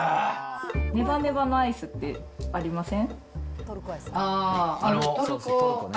ねばねばのアイスってありません？